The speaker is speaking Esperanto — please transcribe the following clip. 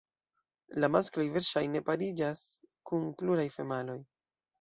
La maskloj verŝajne pariĝas kun pluraj femaloj.